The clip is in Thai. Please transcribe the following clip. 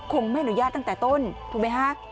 คงไม่อนุญาตตั้งแต่ต้นถูกไหมฮะ